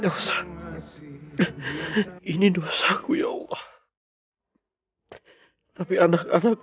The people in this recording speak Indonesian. jangan sampai saja main iki ike